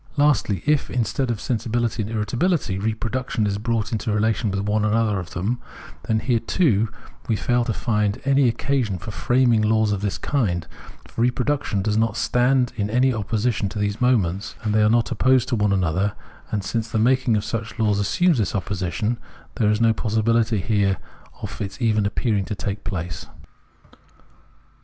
Lastly, if, instead of sensibility and irritabihty, reproduction is brought into relation with one or other of them, then here, too, we fail to find any occasion for framing laws of this kind ; for reproduction does not stand in any opposition to those moments, as they are opposed to one another ; and since the making of such laws assumes this opposition, there is no possibility here of its even appearing to take place.